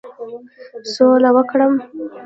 سوله وکړم.